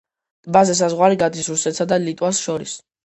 ტბაზე საზღვარი გადის რუსეთსა და ლიტვას შორის.